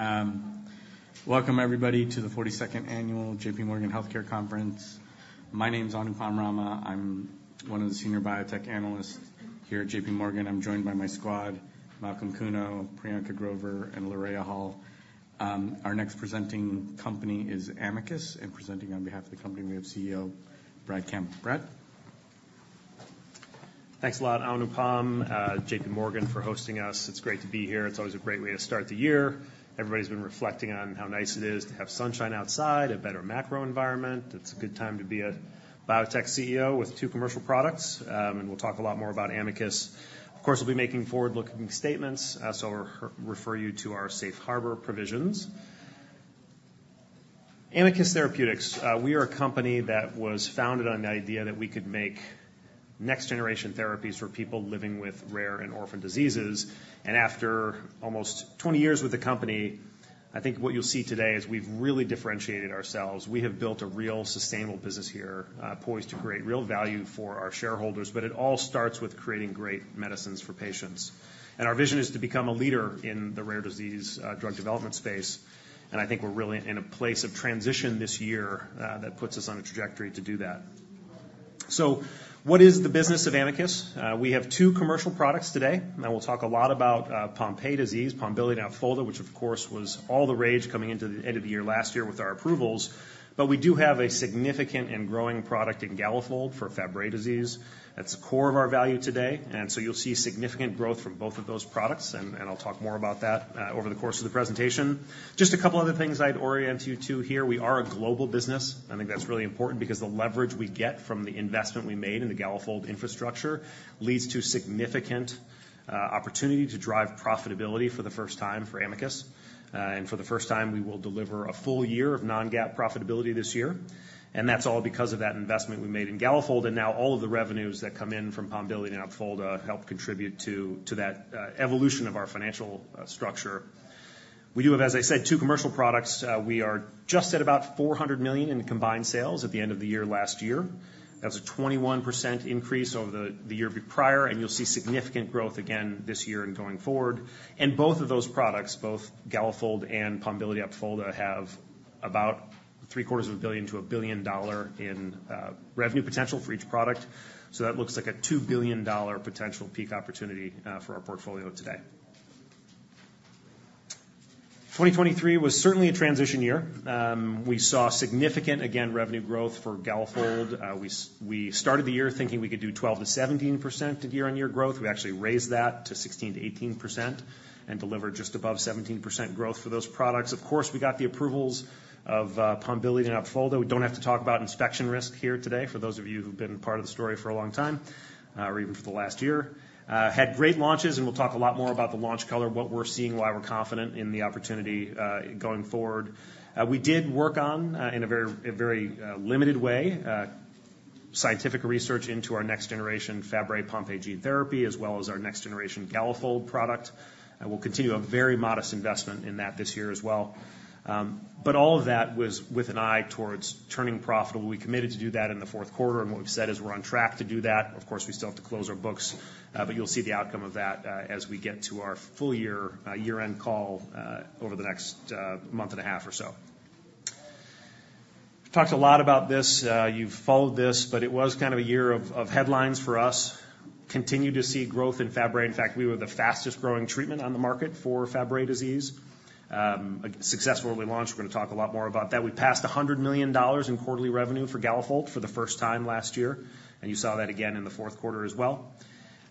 Okay. Welcome everybody to the forty-second annual JP Morgan Healthcare Conference. My name is Anupam Rama. I'm one of the senior biotech analysts here at JP Morgan. I'm joined by my squad, Malcolm Kuno, Priyanka Grover, and Lyra Hall. Our next presenting company is Amicus, and presenting on behalf of the company, we have CEO Brad Campbell. Brad? Thanks a lot, Anupam, JP Morgan, for hosting us. It's great to be here. It's always a great way to start the year. Everybody's been reflecting on how nice it is to have sunshine outside, a better macro environment. It's a good time to be a biotech CEO with two commercial products. And we'll talk a lot more about Amicus. Of course, we'll be making forward-looking statements, so I'll refer you to our safe harbor provisions. Amicus Therapeutics, we are a company that was founded on the idea that we could make next-generation therapies for people living with rare and orphan diseases. And after almost 20 years with the company, I think what you'll see today is we've really differentiated ourselves. We have built a real sustainable business here, poised to create real value for our shareholders, but it all starts with creating great medicines for patients. And our vision is to become a leader in the rare disease, drug development space. And I think we're really in a place of transition this year, that puts us on a trajectory to do that. So what is the business of Amicus? We have two commercial products today, and we'll talk a lot about, Pompe disease, Pombiliti and Opfolda, which, of course, was all the rage coming into the end of the year, last year with our approvals. But we do have a significant and growing product in Galafold for Fabry disease. That's the core of our value today, and so you'll see significant growth from both of those products, and I'll talk more about that over the course of the presentation. Just a couple other things I'd orient you to here. We are a global business. I think that's really important because the leverage we get from the investment we made in the Galafold infrastructure leads to significant opportunity to drive profitability for the first time for Amicus. And for the first time, we will deliver a full year of non-GAAP profitability this year, and that's all because of that investment we made in Galafold, and now all of the revenues that come in from Pombiliti and Opfolda help contribute to that evolution of our financial structure. We do have, as I said, two commercial products. We are just at about $400 million in combined sales at the end of the year, last year. That's a 21% increase over the year prior, and you'll see significant growth again this year and going forward. And both of those products, both Galafold and Pombiliti, Opfolda, have about $750 million-$1 billion in revenue potential for each product. So that looks like a $2 billion potential peak opportunity for our portfolio today. 2023 was certainly a transition year. We saw significant, again, revenue growth for Galafold. We started the year thinking we could do 12%-17% year-on-year growth. We actually raised that to 16%-18% and delivered just above 17% growth for those products. Of course, we got the approvals of Pombiliti and Opfolda. We don't have to talk about inspection risk here today, for those of you who've been part of the story for a long time, or even for the last year. Had great launches, and we'll talk a lot more about the launch color, what we're seeing, why we're confident in the opportunity, going forward. We did work on in a very limited way scientific research into our next-generation Fabry Pompe gene therapy, as well as our next-generation Galafold product. And we'll continue a very modest investment in that this year as well. But all of that was with an eye towards turning profitable. We committed to do that in the fourth quarter, and what we've said is we're on track to do that. Of course, we still have to close our books, but you'll see the outcome of that, as we get to our full year, year-end call, over the next, month and a half or so. We've talked a lot about this, you've followed this, but it was kind of a year of headlines for us. Continue to see growth in Fabry. In fact, we were the fastest-growing treatment on the market for Fabry disease. A successful launch. We're gonna talk a lot more about that. We passed $100 million in quarterly revenue for Galafold for the first time last year, and you saw that again in the fourth quarter as well.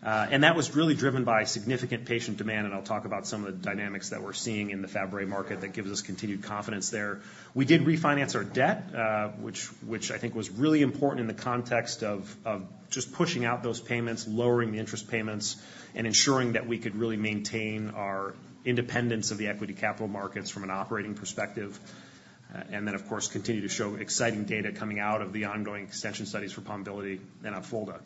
And that was really driven by significant patient demand, and I'll talk about some of the dynamics that we're seeing in the Fabry market that gives us continued confidence there. We did refinance our debt, which, which I think was really important in the context of, of just pushing out those payments, lowering the interest payments, and ensuring that we could really maintain our independence of the equity capital markets from an operating perspective. And then, of course, continue to show exciting data coming out of the ongoing extension studies for Pombiliti and Opfolda.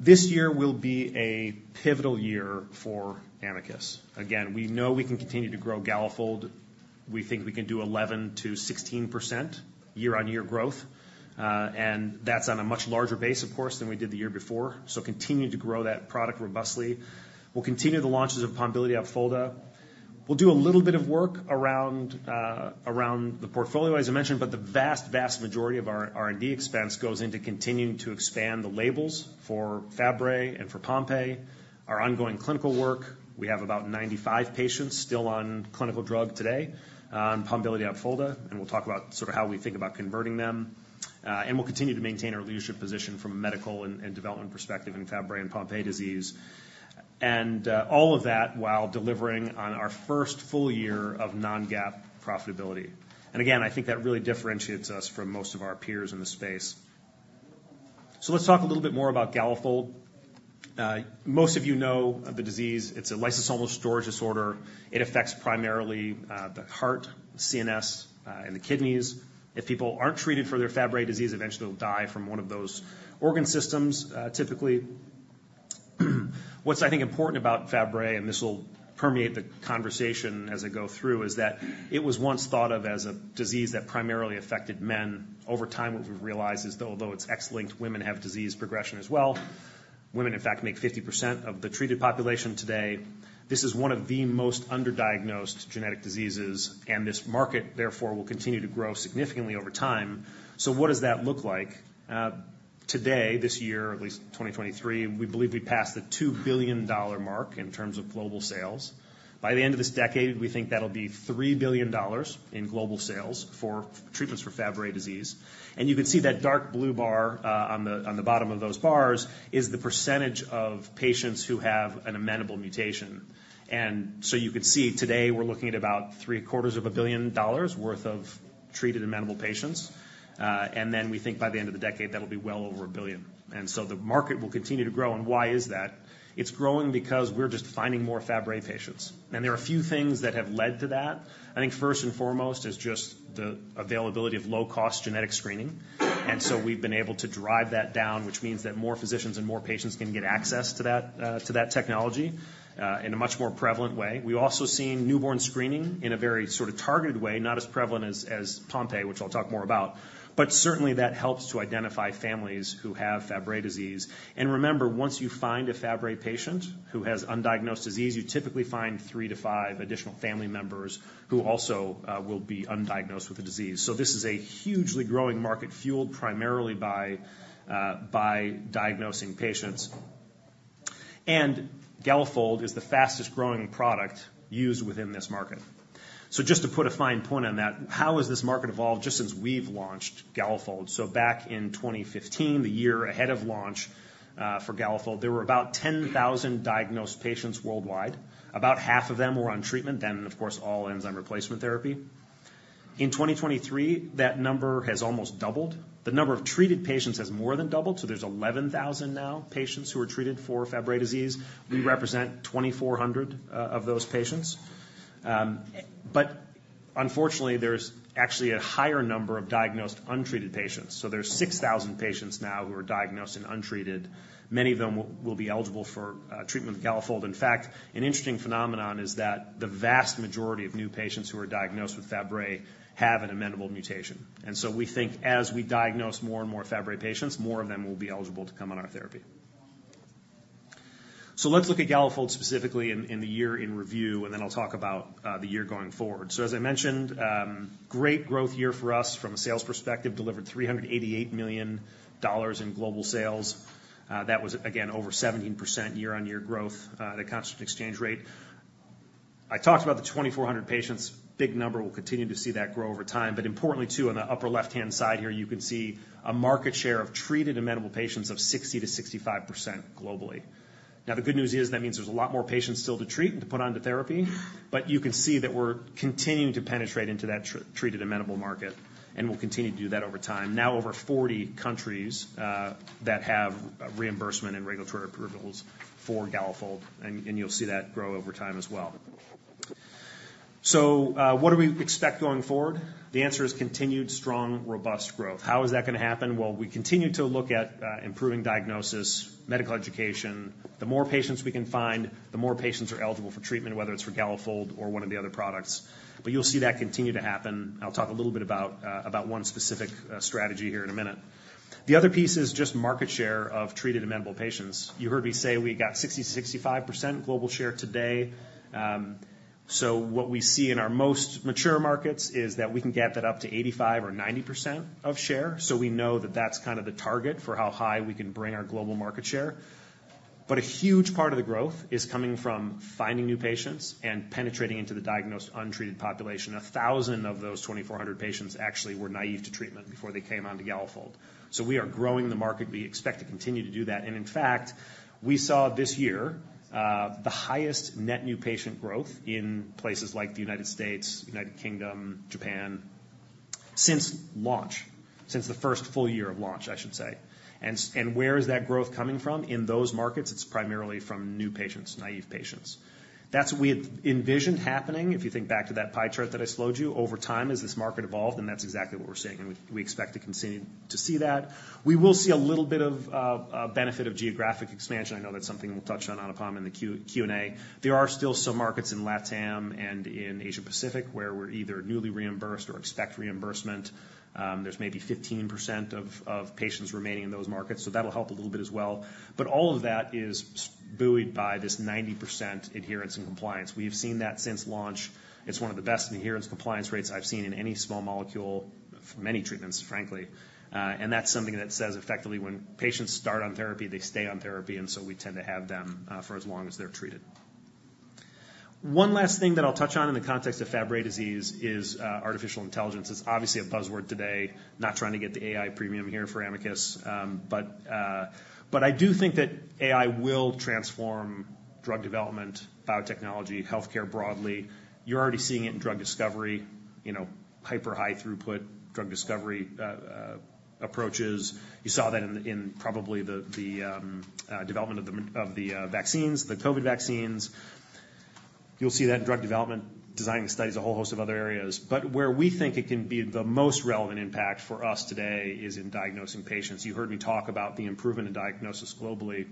This year will be a pivotal year for Amicus. Again, we know we can continue to grow Galafold. We think we can do 11%-16% year-on-year growth, and that's on a much larger base, of course, than we did the year before. So continue to grow that product robustly. We'll continue the launches of Pombiliti, Opfolda. We'll do a little bit of work around the portfolio, as I mentioned, but the vast, vast majority of our R&D expense goes into continuing to expand the labels for Fabry and for Pompe, our ongoing clinical work. We have about 95 patients still on clinical drug today on Pombiliti, Opfolda, and we'll talk about sort of how we think about converting them. And we'll continue to maintain our leadership position from a medical and development perspective in Fabry and Pompe disease. And all of that while delivering on our first full year of non-GAAP profitability. And again, I think that really differentiates us from most of our peers in this space. So let's talk a little bit more about Galafold. Most of you know of the disease. It's a lysosomal storage disorder. It affects primarily the heart, CNS, and the kidneys. If people aren't treated for their Fabry disease, eventually they'll die from one of those organ systems, typically. What's, I think, important about Fabry, and this will permeate the conversation as I go through, is that it was once thought of as a disease that primarily affected men. Over time, what we've realized is though although it's X-linked, women have disease progression as well. Women, in fact, make 50% of the treated population today. This is one of the most underdiagnosed genetic diseases, and this market, therefore, will continue to grow significantly over time. So what does that look like? Today, this year, at least 2023, we believe we passed the $2 billion mark in terms of global sales. By the end of this decade, we think that'll be $3 billion in global sales for treatments for Fabry disease. You can see that dark blue bar on the bottom of those bars is the percentage of patients who have an amenable mutation. So you could see today, we're looking at about $750 million worth of treated amenable patients. Then we think by the end of the decade, that will be well over $1 billion. The market will continue to grow. Why is that? It's growing because we're just finding more Fabry patients, and there are a few things that have led to that. I think first and foremost is just the availability of low-cost genetic screening. And so we've been able to drive that down, which means that more physicians and more patients can get access to that, to that technology, in a much more prevalent way. We've also seen newborn screening in a very sort of targeted way, not as prevalent as Pompe, which I'll talk more about, but certainly, that helps to identify families who have Fabry disease. And remember, once you find a Fabry patient who has undiagnosed disease, you typically find three to five additional family members who also will be undiagnosed with the disease. So this is a hugely growing market, fueled primarily by, by diagnosing patients. Galafold is the fastest-growing product used within this market. So just to put a fine point on that, how has this market evolved just since we've launched Galafold? So back in 2015, the year ahead of launch, for Galafold, there were about 10,000 diagnosed patients worldwide. About half of them were on treatment, and of course, all enzyme replacement therapy. In 2023, that number has almost doubled. The number of treated patients has more than doubled, so there's 11,000 now, patients who are treated for Fabry disease. We represent 2,400 of those patients. But unfortunately, there's actually a higher number of diagnosed, untreated patients. So there's 6,000 patients now who are diagnosed and untreated. Many of them will be eligible for treatment with Galafold. In fact, an interesting phenomenon is that the vast majority of new patients who are diagnosed with Fabry have an amenable mutation. So we think as we diagnose more and more Fabry patients, more of them will be eligible to come on our therapy. So let's look at Galafold specifically in the year in review, and then I'll talk about the year going forward. So as I mentioned, great growth year for us from a sales perspective, delivered $388 million in global sales. That was, again, over 17% year-on-year growth, at a constant exchange rate. I talked about the 2,400 patients. Big number. We'll continue to see that grow over time. But importantly, too, on the upper left-hand side here, you can see a market share of treated amenable patients of 60%-65% globally. Now, the good news is, that means there's a lot more patients still to treat and to put onto therapy, but you can see that we're continuing to penetrate into that treated amenable market, and we'll continue to do that over time. Now, over 40 countries that have a reimbursement and regulatory approvals for Galafold, and you'll see that grow over time as well. So, what do we expect going forward? The answer is continued, strong, robust growth. How is that going to happen? Well, we continue to look at improving diagnosis, medical education. The more patients we can find, the more patients are eligible for treatment, whether it's for Galafold or one of the other products. But you'll see that continue to happen. I'll talk a little bit about one specific strategy here in a minute. The other piece is just market share of treated amenable patients. You heard me say we got 60%-65% global share today. So what we see in our most mature markets is that we can get that up to 85% or 90% of share. So we know that that's kind of the target for how high we can bring our global market share. But a huge part of the growth is coming from finding new patients and penetrating into the diagnosed, untreated population. 1,000 of those 2,400 patients actually were naive to treatment before they came onto Galafold. So we are growing the market. We expect to continue to do that. And in fact, we saw this year, the highest net new patient growth in places like the United States, United Kingdom, Japan, since launch. Since the first full year of launch, I should say. And where is that growth coming from? In those markets, it's primarily from new patients, naive patients. That's what we had envisioned happening. If you think back to that pie chart that I showed you over time, as this market evolved, and that's exactly what we're seeing, and we expect to continue to see that. We will see a little bit of a benefit of geographic expansion. I know that's something we'll touch upon in the Q&A. There are still some markets in Latam and in Asia Pacific, where we're either newly reimbursed or expect reimbursement. There's maybe 15% of patients remaining in those markets, so that'll help a little bit as well. But all of that is buoyed by this 90% adherence and compliance. We've seen that since launch. It's one of the best adherence compliance rates I've seen in any small molecule for many treatments, frankly. That's something that says effectively, when patients start on therapy, they stay on therapy, and so we tend to have them for as long as they're treated. One last thing that I'll touch on in the context of Fabry disease is artificial intelligence. It's obviously a buzzword today. Not trying to get the AI premium here for Amicus, but I do think that AI will transform drug development, biotechnology, healthcare broadly. You're already seeing it in drug discovery, you know, high-throughput drug discovery approaches. You saw that in probably the development of the mRNA vaccines, the COVID vaccines. You'll see that in drug development, designing the studies, a whole host of other areas. But where we think it can be the most relevant impact for us today is in diagnosing patients. You heard me talk about the improvement in diagnosis globally.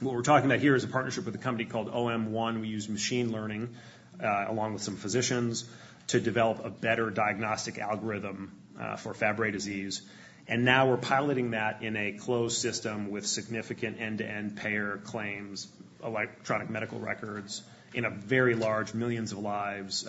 What we're talking about here is a partnership with a company called OM1. We use machine learning, along with some physicians, to develop a better diagnostic algorithm for Fabry disease. And now we're piloting that in a closed system with significant end-to-end payer claims, electronic medical records, in a very large, millions of lives,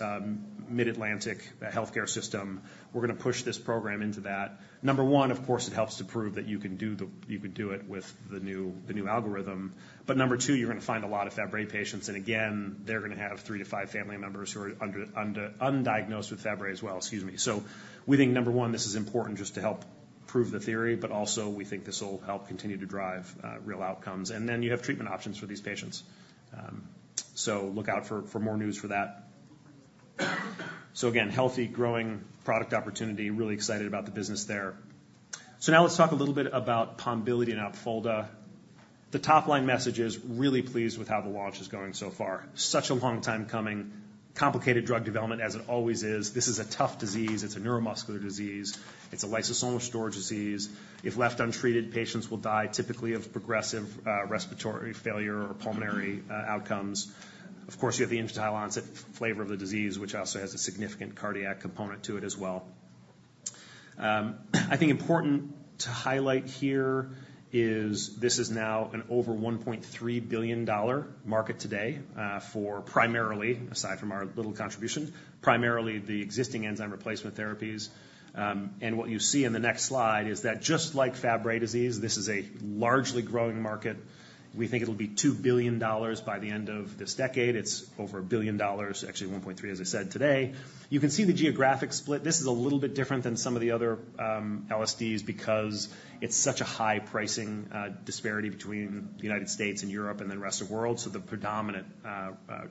Mid-Atlantic healthcare system. We're gonna push this program into that. Number one, of course, it helps to prove that you can do it with the new algorithm. But number two, you're gonna find a lot of Fabry patients, and again, they're gonna have 3-5 family members who are undiagnosed with Fabry as well. Excuse me. So we think, number one, this is important just to help prove the theory, but also we think this will help continue to drive real outcomes. And then you have treatment options for these patients. So look out for more news for that. So again, healthy, growing product opportunity. Really excited about the business there. So now let's talk a little bit about Pombiliti and Opfolda. The top line message is, really pleased with how the launch is going so far. Such a long time coming. Complicated drug development as it always is. This is a tough disease. It's a neuromuscular disease. It's a lysosomal storage disease. If left untreated, patients will die typically of progressive, respiratory failure or pulmonary, outcomes. Of course, you have the infantile flavor of the disease, which also has a significant cardiac component to it as well. I think important to highlight here is this is now an over $1.3 billion market today, for primarily, aside from our little contribution, primarily the existing enzyme replacement therapies. And what you see in the next slide is that just like Fabry disease, this is a largely growing market. We think it'll be $2 billion by the end of this decade. It's over $1 billion, actually $1.3, as I said today. You can see the geographic split. This is a little bit different than some of the other LSDs because it's such a high pricing disparity between the United States and Europe and the rest of the world. So the predominant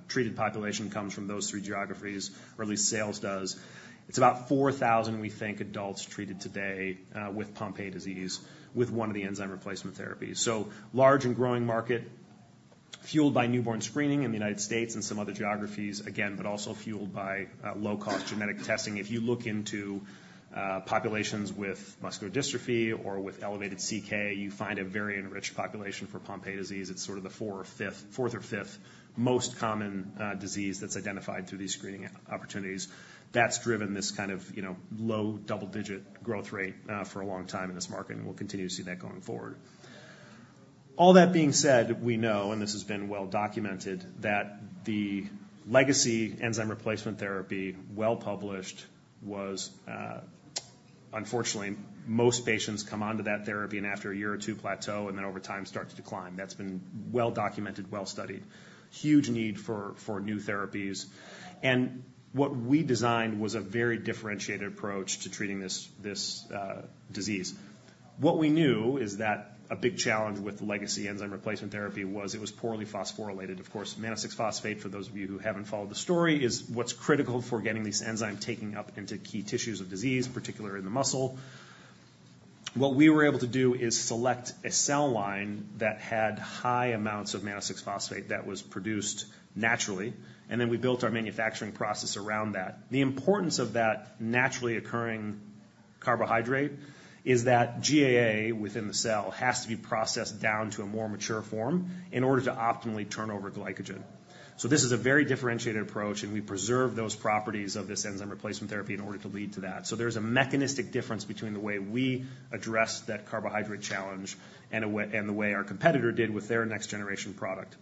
treated population comes from those three geographies, or at least sales does. It's about 4,000, we think, adults treated today with Pompe disease, with one of the enzyme replacement therapies. So large and growing market, fueled by newborn screening in the United States and some other geographies, again, but also fueled by low-cost genetic testing. If you look into populations with muscular dystrophy or with elevated CK, you find a very enriched population for Pompe disease. It's sort of the fourth or fifth most common disease that's identified through these screening opportunities. That's driven this kind of, you know, low double-digit growth rate for a long time in this market, and we'll continue to see that going forward. All that being said, we know, and this has been well documented, that the legacy enzyme replacement therapy, well-published, was unfortunately most patients come onto that therapy and after a year or two, plateau, and then over time, starts to decline. That's been well-documented, well-studied. Huge need for new therapies. And what we designed was a very differentiated approach to treating this disease. What we knew is that a big challenge with legacy enzyme replacement therapy was it was poorly phosphorylated. Of course, mannose-6-phosphate, for those of you who haven't followed the story, is what's critical for getting this enzyme taking up into key tissues of disease, particularly in the muscle. What we were able to do is select a cell line that had high amounts of mannose-6-phosphate that was produced naturally, and then we built our manufacturing process around that. The importance of that naturally occurring carbohydrate is that GAA within the cell has to be processed down to a more mature form in order to optimally turn over glycogen. So this is a very differentiated approach, and we preserve those properties of this enzyme replacement therapy in order to lead to that. So there's a mechanistic difference between the way we address that carbohydrate challenge and the way, and the way our competitor did with their next generation product.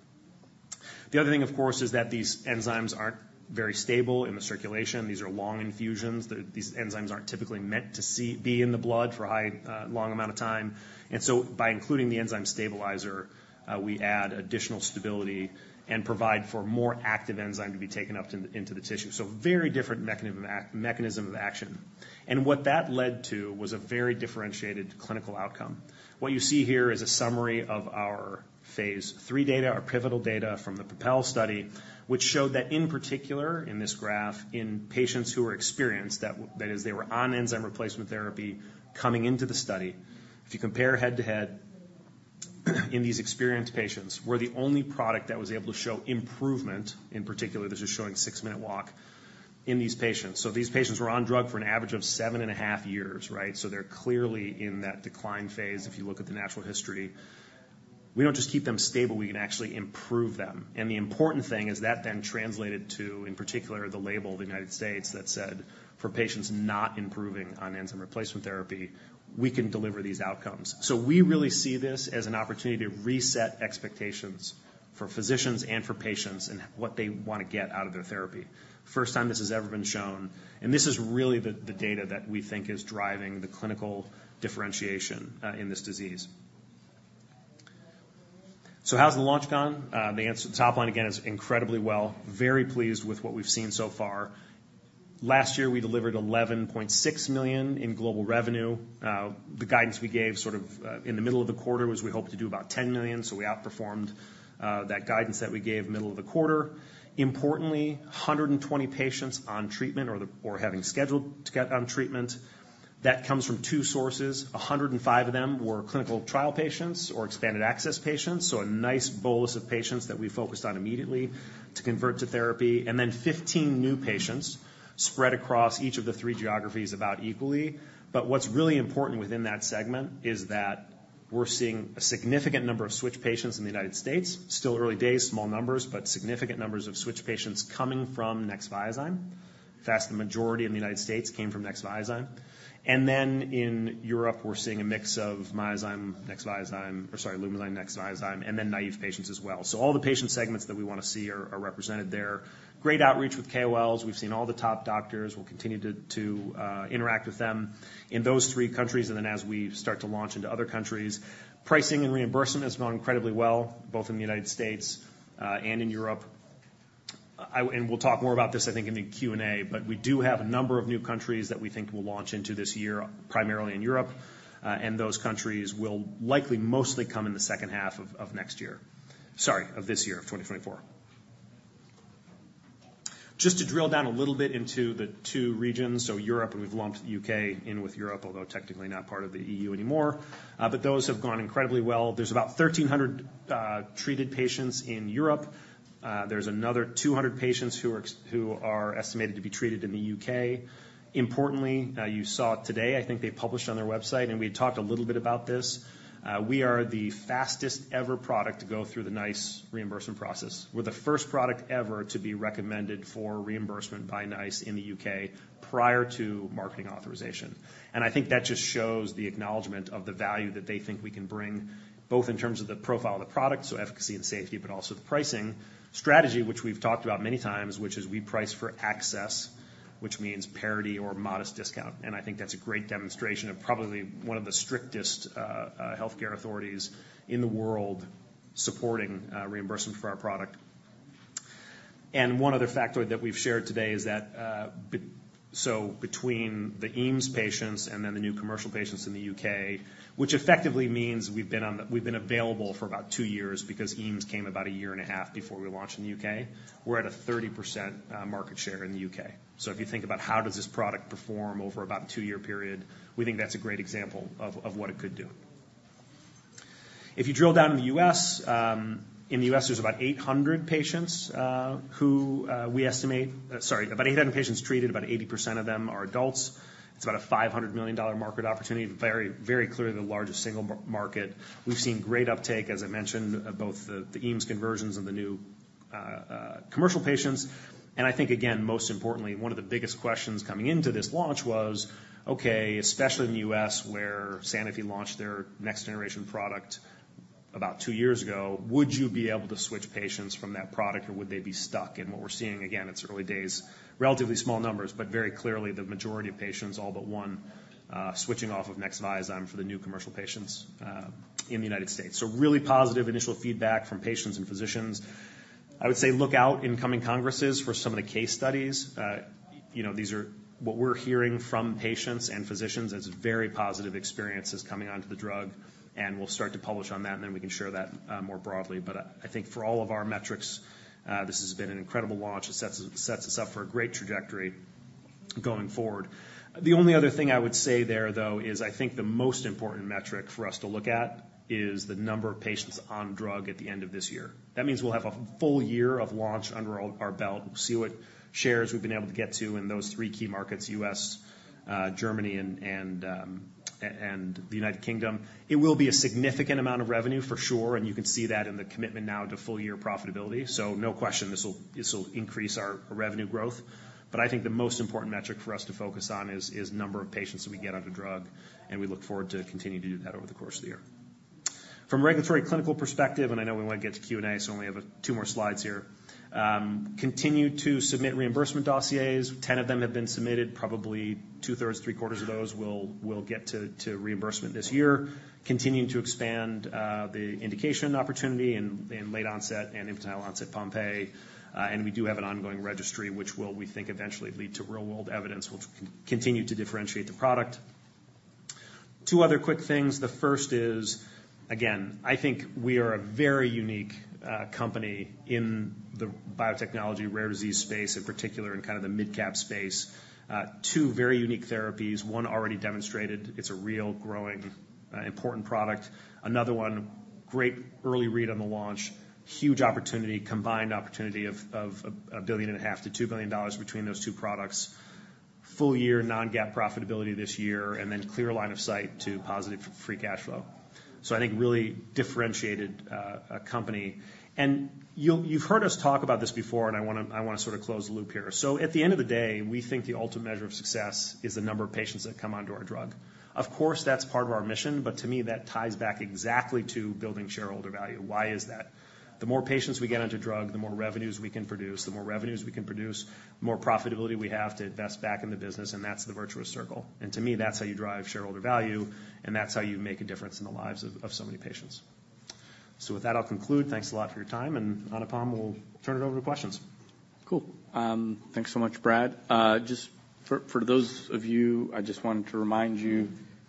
The other thing, of course, is that these enzymes aren't very stable in the circulation. These are long infusions. These enzymes aren't typically meant to be in the blood for a high, long amount of time. By including the enzyme stabilizer, we add additional stability and provide for more active enzyme to be taken up into the tissue. Very different mechanism of action. What that led to was a very differentiated clinical outcome. What you see here is a summary of our phase III data, our pivotal data from the PROPEL study, which showed that in particular in this graph, in patients who were experienced, that is, they were on enzyme replacement therapy coming into the study. If you compare head-to-head, in these experienced patients, we're the only product that was able to show improvement. In particular, this is showing six-minute walk in these patients. These patients were on drug for an average of seven and a half years, right? They're clearly in that decline phase, if you look at the natural history. We don't just keep them stable, we can actually improve them. And the important thing is that then translated to, in particular, the label of the United States that said, "For patients not improving on enzyme replacement therapy, we can deliver these outcomes." So we really see this as an opportunity to reset expectations for physicians and for patients, and what they want to get out of their therapy. First time this has ever been shown, and this is really the data that we think is driving the clinical differentiation in this disease. So how's the launch gone? The answer, top line, again, is incredibly well, very pleased with what we've seen so far. Last year, we delivered $11.6 million in global revenue. The guidance we gave sort of in the middle of the quarter was we hoped to do about $10 million, so we outperformed that guidance that we gave middle of the quarter. Importantly, 120 patients on treatment or having scheduled to get on treatment. That comes from two sources. 105 of them were clinical trial patients or expanded access patients, so a nice bolus of patients that we focused on immediately to convert to therapy. And then 15 new patients spread across each of the three geographies about equally. But what's really important within that segment is that we're seeing a significant number of switch patients in the United States. Still early days, small numbers, but significant numbers of switch patients coming from Nexviazyme. In fact, the majority in the United States came from Nexviazyme. Then in Europe, we're seeing a mix of Myozyme, Nexviazyme, or sorry, Lumizyme, Nexviazyme, and then naïve patients as well. So all the patient segments that we wanna see are represented there. Great outreach with KOLs. We've seen all the top doctors. We'll continue to interact with them in those three countries, and then as we start to launch into other countries. Pricing and reimbursement has gone incredibly well, both in the United States and in Europe. And we'll talk more about this, I think, in the Q&A, but we do have a number of new countries that we think will launch into this year, primarily in Europe, and those countries will likely mostly come in the second half of this year, 2024. Just to drill down a little bit into the two regions, so Europe, and we've lumped U.K. in with Europe, although technically not part of the EU anymore, but those have gone incredibly well. There's about 1,300 treated patients in Europe. There's another 200 patients who are estimated to be treated in the U.K. Importantly, you saw it today, I think they published on their website, and we had talked a little bit about this. We are the fastest-ever product to go through the NICE reimbursement process. We're the first product ever to be recommended for reimbursement by NICE in the U.K. prior to marketing authorization. I think that just shows the acknowledgment of the value that they think we can bring, both in terms of the profile of the product, so efficacy and safety, but also the pricing strategy, which we've talked about many times, which is we price for access, which means parity or modest discount. I think that's a great demonstration of probably one of the strictest healthcare authorities in the world supporting reimbursement for our product. One other factor that we've shared today is that, so between the EAMS patients and then the new commercial patients in the UK, which effectively means we've been available for about two years because EAMS came about a year and a half before we launched in the UK. We're at a 30% market share in the U.K.. So if you think about how does this product perform over about a two-year period, we think that's a great example of what it could do. If you drill down in the U.S., in the U.S., there's about 800 patients we estimate about 800 patients treated, about 80% of them are adults. It's about a $500 million market opportunity. Very, very clearly the largest single market. We've seen great uptake, as I mentioned, both the EAMS conversions and the new commercial patients. And I think, again, most importantly, one of the biggest questions coming into this launch was. Okay, especially in the U.S., where Sanofi launched their next-generation product about two years ago, would you be able to switch patients from that product, or would they be stuck? And what we're seeing, again, it's early days, relatively small numbers, but very clearly the majority of patients, all but one, switching off of Nexviazyme for the new commercial patients, in the United States. So really positive initial feedback from patients and physicians. I would say look out in coming congresses for some of the case studies. You know, these are... What we're hearing from patients and physicians is very positive experiences coming onto the drug, and we'll start to publish on that, and then we can share that, more broadly. But I think for all of our metrics, this has been an incredible launch. It sets us up for a great trajectory going forward. The only other thing I would say there, though, is I think the most important metric for us to look at is the number of patients on drug at the end of this year. That means we'll have a full year of launch under our belt. We'll see what shares we've been able to get to in those three key markets: U.S., Germany, and the United Kingdom. It will be a significant amount of revenue, for sure, and you can see that in the commitment now to full-year profitability. So no question, this will increase our revenue growth. But I think the most important metric for us to focus on is number of patients that we get on the drug, and we look forward to continuing to do that over the course of the year. From regulatory clinical perspective, and I know we want to get to Q&A, so we only have two more slides here. Continue to submit reimbursement dossiers. 10 of them have been submitted. Probably two-thirds, three-quarters of those will get to reimbursement this year. Continuing to expand the indication opportunity in late-onset and infantile-onset Pompe, and we do have an ongoing registry, which will, we think, eventually lead to real-world evidence, which continue to differentiate the product. Two other quick things. The first is, again, I think we are a very unique company in the biotechnology, rare disease space, in particular, in kind of the midcap space. Two very unique therapies. One already demonstrated it's a real, growing important product. Another one, great early read on the launch. Huge opportunity, combined opportunity of $1.5 billion-$2 billion between those two products. Full-year non-GAAP profitability this year, and then clear line of sight to positive free cash flow. So I think really differentiated company. And you've heard us talk about this before, and I wanna sort of close the loop here. So at the end of the day, we think the ultimate measure of success is the number of patients that come onto our drug. Of course, that's part of our mission, but to me, that ties back exactly to building shareholder value. Why is that? The more patients we get onto drug, the more revenues we can produce. The more revenues we can produce, the more profitability we have to invest back in the business, and that's the virtuous circle. To me, that's how you drive shareholder value, and that's how you make a difference in the lives of so many patients. With that, I'll conclude. Thanks a lot for your time, and Anupam will turn it over to questions. Cool. Thanks so much, Brad. Just for those of you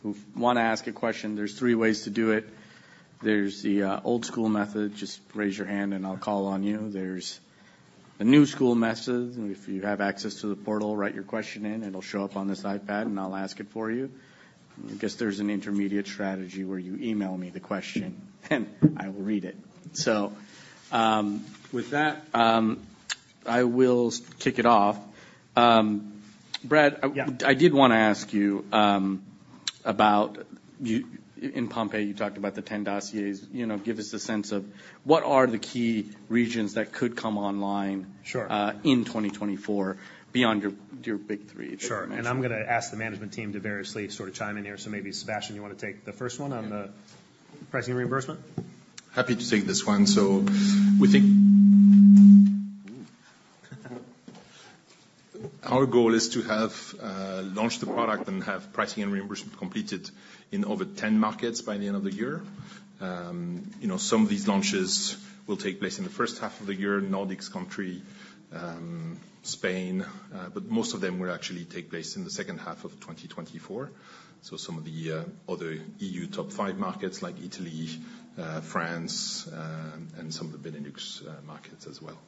who wanna ask a question, there's three ways to do it. There's the old school method. Just raise your hand, and I'll call on you. There's the new school method. If you have access to the portal, write your question in. It'll show up on this iPad, and I'll ask it for you. I guess there's an intermediate strategy where you email me the question, and I will read it. So, with that, I will kick it off. Brad? Yeah. I did want to ask you about your Pompe. You know, give us a sense of what are the key regions that could come online? Sure. In 2024, beyond your big three? Sure. I'm going to ask the management team to variously sort of chime in here. So maybe, Sebastien, you want to take the first one on the pricing reimbursement? Happy to take this one. So we think our goal is to have launched the product and have pricing and reimbursement completed in over 10 markets by the end of the year. You know, some of these launches will take place in the first half of the year, Nordic countries, Spain, but most of them will actually take place in the second half of 2024. So some of the other EU top five markets like Italy, France, and some of the Benelux markets as well.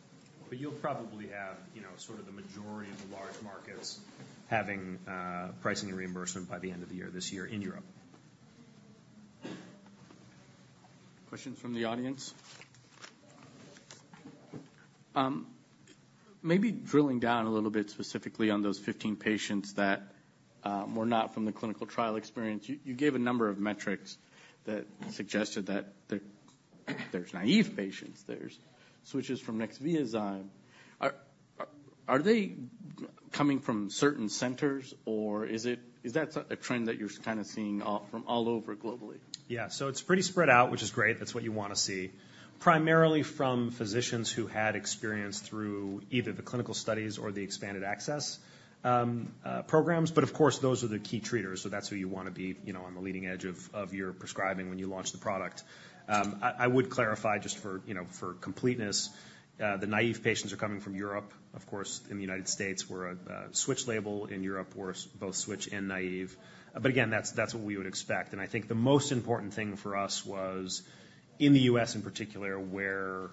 But you'll probably have, you know, sort of the majority of the large markets having pricing and reimbursement by the end of the year, this year in Europe. Questions from the audience? Maybe drilling down a little bit specifically on those 15 patients that were not from the clinical trial experience. You gave a number of metrics that suggested that there, there's naive patients, there's switches from Nexviazyme. Are they coming from certain centers, or is it a trend that you're kind of seeing from all over globally? Yeah. So it's pretty spread out, which is great. That's what you want to see. Primarily from physicians who had experience through either the clinical studies or the expanded access programs. But of course, those are the key treaters, so that's who you want to be, you know, on the leading edge of your prescribing when you launch the product. I would clarify, just for, you know, for completeness, the naive patients are coming from Europe. Of course, in the United States, we're a switch label. In Europe, we're both switch and naive. But again, that's what we would expect, and I think the most important thing for us was in the U.S., in particular, where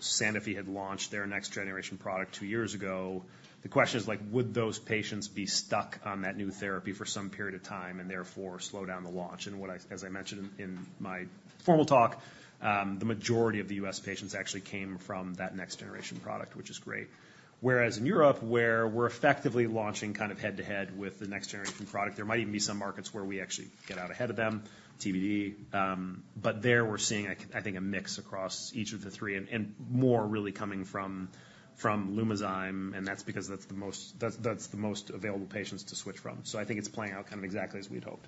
Sanofi had launched their next generation product two years ago. The question is like, would those patients be stuck on that new therapy for some period of time and therefore slow down the launch? And, as I mentioned in my formal talk, the majority of the U.S. patients actually came from that next generation product, which is great. Whereas in Europe, where we're effectively launching kind of head-to-head with the next generation product, there might even be some markets where we actually get out ahead of them, TBD. But there, we're seeing, I think, a mix across each of the three and more really coming from Lumizyme, and that's because that's the most available patients to switch from. So I think it's playing out kind of exactly as we'd hoped.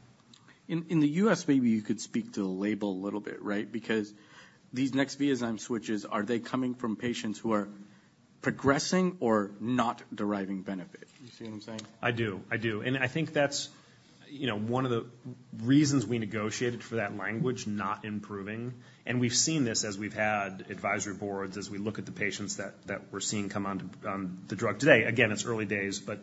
In the U.S., maybe you could speak to the label a little bit, right? Because these Nexviazyme switches, are they coming from patients who are progressing or not deriving benefit? You see what I'm saying? I do. I do. And I think that's, you know, one of the reasons we negotiated for that language, "not improving," and we've seen this as we've had advisory boards, as we look at the patients that we're seeing come onto the drug today. Again, it's early days, but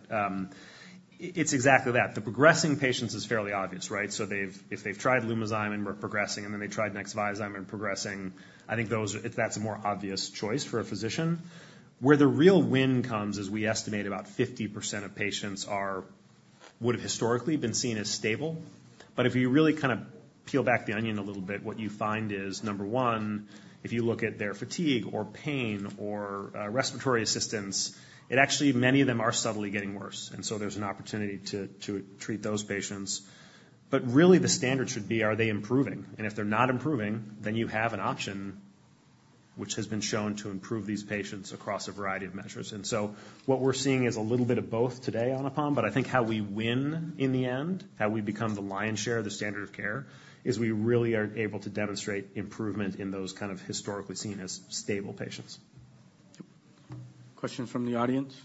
it's exactly that. The progressing patients is fairly obvious, right? So they've, if they've tried Lumizyme and were progressing, and then they tried Nexviazyme and progressing, I think those, if that's a more obvious choice for a physician. Where the real win comes is we estimate about 50% of patients are... would have historically been seen as stable. But if you really kind of peel back the onion a little bit, what you find is, number one, if you look at their fatigue or pain or, respiratory assistance, it actually, many of them are subtly getting worse, and so there's an opportunity to, to treat those patients. But really, the standard should be: Are they improving? And if they're not improving, then you have an option which has been shown to improve these patients across a variety of measures. And so what we're seeing is a little bit of both today on Anupam, but I think how we win in the end, how we become the lion's share, the standard of care, is we really are able to demonstrate improvement in those kind of historically seen as stable patients. Yep. Question from the audience?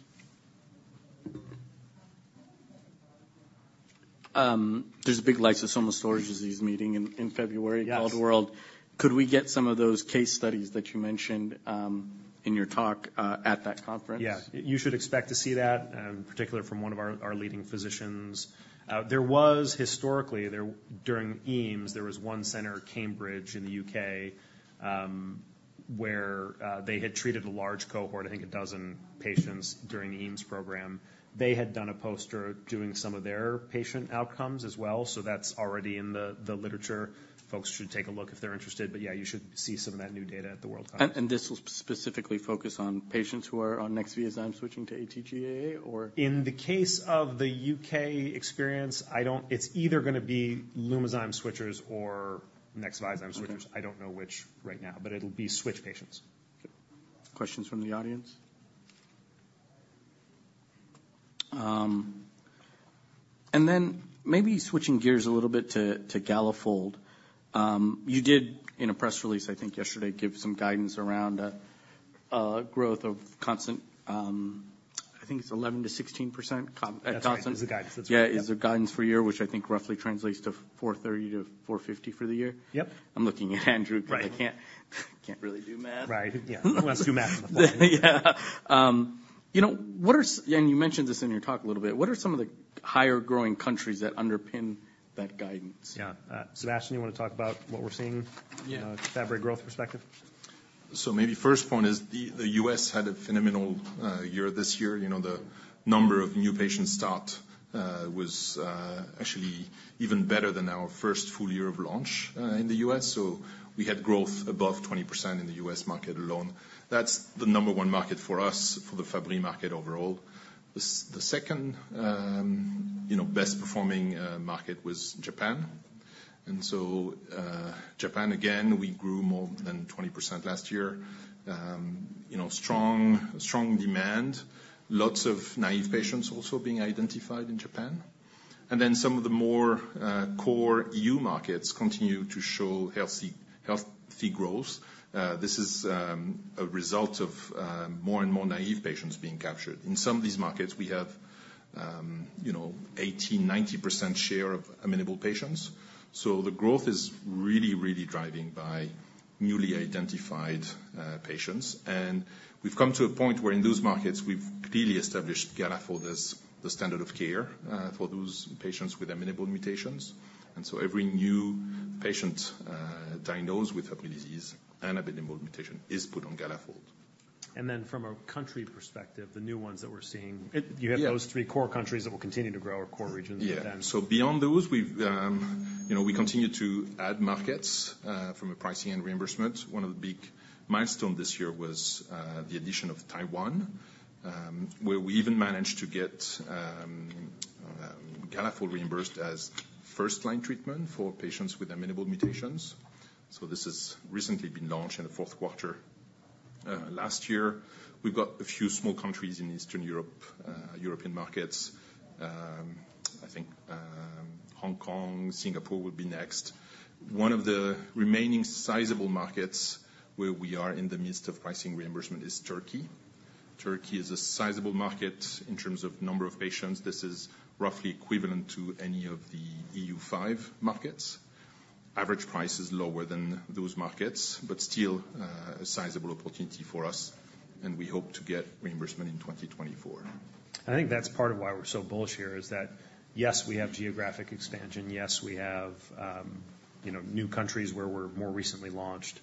There's a big lysosomal storage disease meeting in February. Yes Called World. Could we get some of those case studies that you mentioned in your talk at that conference? Yeah. You should expect to see that in particular from one of our leading physicians. There was historically during EAMS one center, Cambridge, in the U.K., where they had treated a large cohort, I think 12 patients, during the EAMS program. They had done a poster doing some of their patient outcomes as well, so that's already in the literature. Folks should take a look if they're interested, but yeah, you should see some of that new data at the World Conference. And this will specifically focus on patients who are on Nexviazyme switching to AT-GAA or? In the case of the UK experience, I don't... It's either going to be Lumizyme switchers or Nexviazyme switchers. Okay. I don't know which right now, but it'll be switch patients. Okay. Questions from the audience? And then maybe switching gears a little bit to Galafold. You did, in a press release, I think yesterday, give some guidance around growth of constant, I think it's 11%-16% at constant- That's the guidance. That's right. Yeah, is the guidance for a year, which I think roughly translates to $430-$450 for the year. Yep. I'm looking at Andrew- Right. because I can't really do math. Right. Yeah. Let's do math on the fly. Yeah. You know, what are... You mentioned this in your talk a little bit. What are some of the higher growing countries that underpin that guidance? Yeah. Sebastien, you want to talk about what we're seeing- Yeah. From a Fabry growth perspective? So maybe first point is the U.S. had a phenomenal year this year. You know, the number of new patients start was actually even better than our first full year of launch in the U.S. So we had growth above 20% in the U.S. market alone. That's the number one market for us, for the Fabry market overall. The second, you know, best performing market was Japan. And so, Japan, again, we grew more than 20% last year. You know, strong, strong demand. Lots of naive patients also being identified in Japan. And then some of the more core E.U. markets continue to show healthy, healthy growth. This is a result of more and more naive patients being captured. In some of these markets, we have, you know, 80%-90% share of amenable patients. So the growth is really, really driving by newly identified patients. And we've come to a point where in those markets, we've really established Galafold as the standard of care for those patients with amenable mutations. And so every new patient diagnosed with Fabry disease and amenable mutation is put on Galafold. And then from a country perspective, the new ones that we're seeing- Yeah. You have those three core countries that will continue to grow, our core regions. And- Yeah. So beyond those, we've, you know, we continue to add markets from a pricing and reimbursement. One of the big milestone this year was the addition of Taiwan, where we even managed to get Galafold reimbursed as first-line treatment for patients with amenable mutations. So this has recently been launched in the fourth quarter last year. We've got a few small countries in Eastern Europe, European markets. I think Hong Kong, Singapore would be next. One of the remaining sizable markets where we are in the midst of pricing reimbursement is Turkey. Turkey is a sizable market in terms of number of patients. This is roughly equivalent to any of the EU five markets. Average price is lower than those markets, but still a sizable opportunity for us, and we hope to get reimbursement in 2024. I think that's part of why we're so bullish here, is that, yes, we have geographic expansion, yes, we have, you know, new countries where we're more recently launched,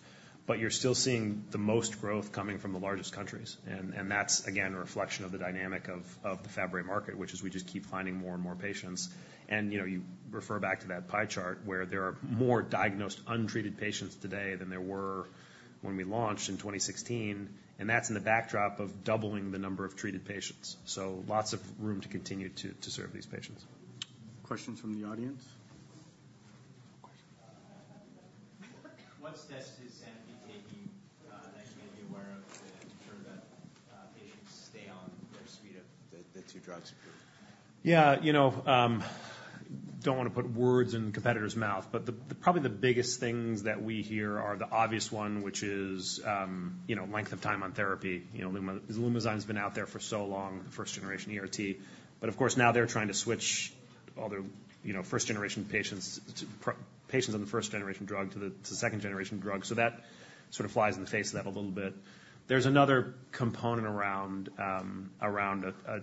but you're still seeing the most growth coming from the largest countries. And that's, again, a reflection of the dynamic of the Fabry market, which is we just keep finding more and more patients. And, you know, you refer back to that pie chart, where there are more diagnosed, untreated patients today than there were when we launched in 2016, and that's in the backdrop of doubling the number of treated patients. Lots of room to continue to serve these patients. Questions from the audience? What steps is Sanofi taking that you may be aware of to ensure that patients stay on their suite of the two drugs approved? Yeah, you know, don't wanna put words in competitor's mouth, but the probably the biggest things that we hear are the obvious one, which is, you know, length of time on therapy. You know, Lumizyme's been out there for so long, the first-generation ERT. But of course, now they're trying to switch all the, you know, first-generation patients to patients on the first generation drug to the second generation drug. So that sort of flies in the face of that a little bit. There's another component around a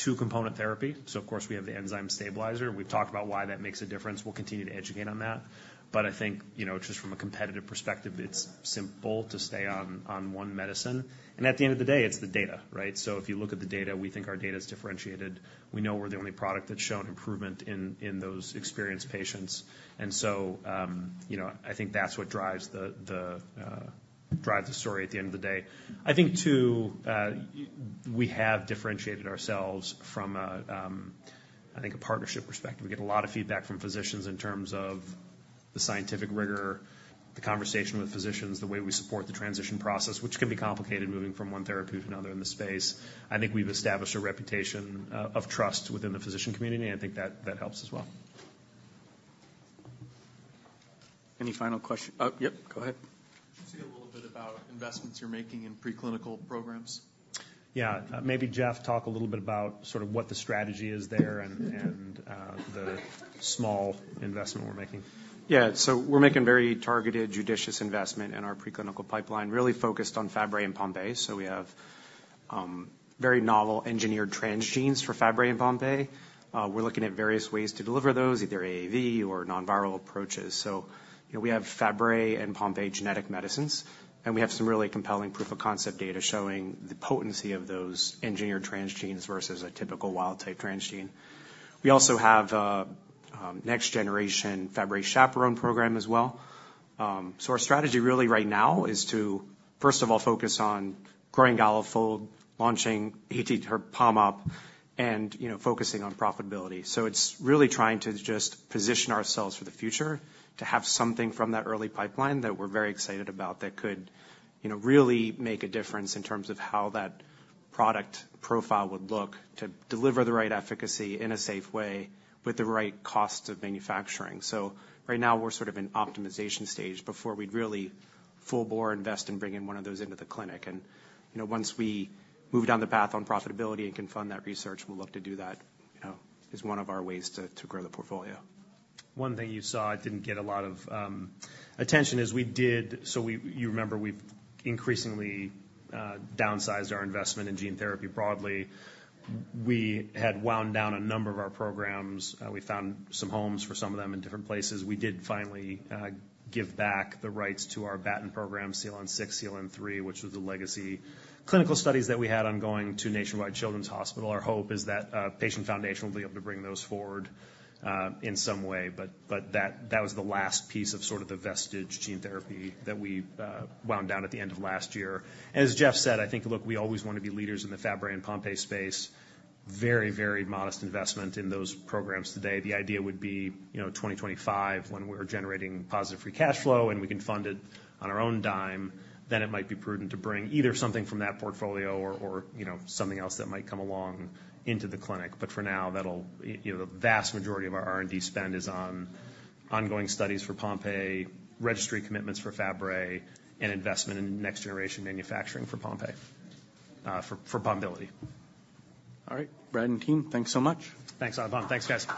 two-component therapy. So of course, we have the enzyme stabilizer. We've talked about why that makes a difference. We'll continue to educate on that. But I think, you know, just from a competitive perspective, it's simple to stay on one medicine. And at the end of the day, it's the data, right? So if you look at the data, we think our data is differentiated. We know we're the only product that's shown improvement in those experienced patients. And so, you know, I think that's what drives the story at the end of the day. I think we have differentiated ourselves from a, I think, a partnership perspective. We get a lot of feedback from physicians in terms of the scientific rigor, the conversation with physicians, the way we support the transition process, which can be complicated, moving from one therapy to another in the space. I think we've established a reputation of trust within the physician community, and I think that helps as well. Any final question? Oh, yep, go ahead. Can you say a little bit about investments you're making in preclinical programs? Yeah. Maybe, Jeff, talk a little bit about sort of what the strategy is there and the small investment we're making. Yeah. So we're making very targeted, judicious investment in our preclinical pipeline, really focused on Fabry and Pompe, so we have very novel engineered transgenes for Fabry and Pompe. We're looking at various ways to deliver those, either AAV or non-viral approaches. So, you know, we have Fabry and Pompe genetic medicines, and we have some really compelling proof of concept data showing the potency of those engineered transgenes versus a typical wild type transgene. We also have next generation Fabry chaperone program as well. So our strategy really right now is to, first of all, focus on growing Galafold, launching Pombiliti Opfolda, and, you know, focusing on profitability. So it's really trying to just position ourselves for the future to have something from that early pipeline that we're very excited about, that could, you know, really make a difference in terms of how that product profile would look to deliver the right efficacy in a safe way with the right cost of manufacturing. So right now, we're sort of in optimization stage before we'd really full bore invest in bringing one of those into the clinic. And, you know, once we move down the path on profitability and can fund that research, we'll look to do that, you know, as one of our ways to grow the portfolio. One thing you saw, it didn't get a lot of attention, is we did. So you remember, we've increasingly downsized our investment in gene therapy broadly. We had wound down a number of our programs, we found some homes for some of them in different places. We did finally give back the rights to our Batten program, CLN6, CLN3, which was the legacy clinical studies that we had ongoing to Nationwide Children's Hospital. Our hope is that Patient Foundation will be able to bring those forward in some way, but that was the last piece of sort of the vestige gene therapy that we wound down at the end of last year. And as Jeff said, I think, look, we always want to be leaders in the Fabry and Pompe space. Very, very modest investment in those programs today. The idea would be, you know, 2025, when we're generating positive free cash flow, and we can fund it on our own dime, then it might be prudent to bring either something from that portfolio or, or, you know, something else that might come along into the clinic. But for now, that'll. You know, the vast majority of our R&D spend is on ongoing studies for Pompe, registry commitments for Fabry, and investment in next-generation manufacturing for Pompe, for Pombiliti. All right, Brad and team, thanks so much. Thanks, Anupam. Thanks, guys.